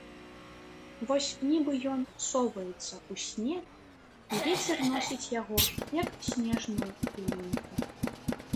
Вось нібы ён соваецца ў сне і вецер носіць яго, як снежную пылінку.